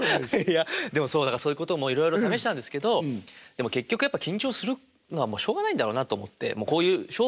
いやでもそうそういうこともいろいろ試したんですけどでも結局やっぱ緊張するのはもうしょうがないんだろうなと思ってこういう性分なんだろうなと思って。